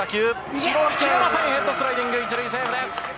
拾いきれません、ヘッドスライディング、１塁セーフです。